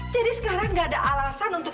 jadi sekarang gak ada alasan untuk